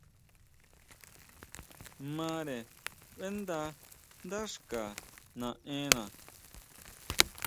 Mare ʼbeʼnda dá xka naʼena.